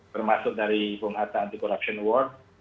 bermaksud dari punggatan anti corruption award